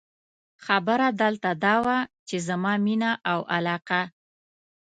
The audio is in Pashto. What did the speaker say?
خبره دلته دا وه، چې زما مینه او علاقه.